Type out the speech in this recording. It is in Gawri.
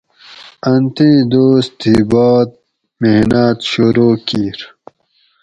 ان تیں دوس تھی باد محناۤت شروع کِیر